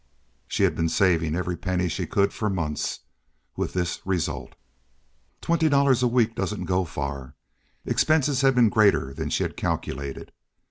She had been saving every penny she could for months, with this result. Twenty dollars a week doesn't go far. Expenses had been greater than she had calculated.